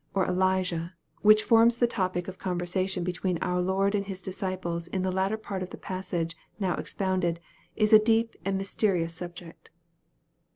or Elijah, which forms the topic of con versation between our Lord and His disciples in the latter part of the passage now expounded, is a deep and mysterious subject 1.